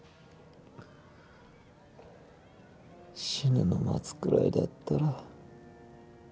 死ぬの待つくらいだったら